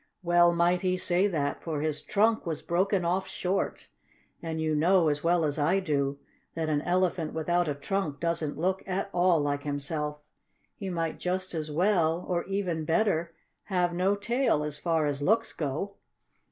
Well might he say that, for his trunk was broken off short, and you know, as well as I do, that an elephant without a trunk doesn't look at all like himself. He might just as well, or even better, have no tail, as far as looks go.